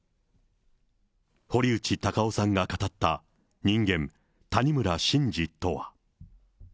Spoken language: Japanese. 堀内孝雄さんが語った人間、谷村新司とは。